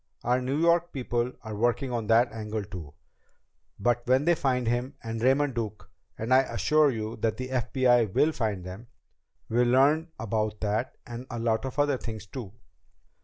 Our New York people are working on that angle too. But when we find him and Raymond Duke and I assure you that the FBI will find them we'll learn about that, and a lot of other things too."